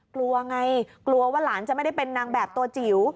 กลัวไงกลัวว่าหลานจะไม่ได้เป็นนางแบบตัวจิ๋ว